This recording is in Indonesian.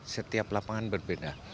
setiap lapangan berbeda